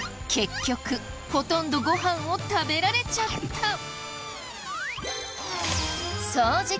結局ほとんどご飯を食べられちゃった。